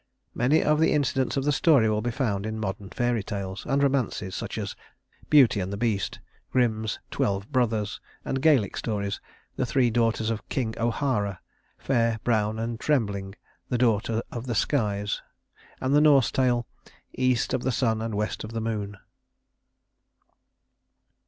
Many of the incidents of the story will be found in modern fairy tales and romances such as "Beauty and the Beast"; Grimm's "Twelve Brothers"; the Gaelic stories: "The Three Daughters of King O'Hara," "Fair, Brown and Trembling," "The Daughter of the Skies"; and the Norse tale, "East of the Sun and West of the Moon."